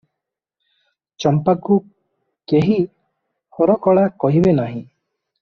ଚମ୍ପାକୁ କେହି ହରକଳା କହିବ ନାହିଁ ।